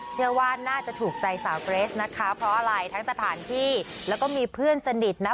เชื่อว่าน่าจะถูกใจสาวเกรสนะคะเพราะอะไรทั้งสถานที่แล้วก็มีเพื่อนสนิทนะ